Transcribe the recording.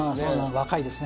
若いですね。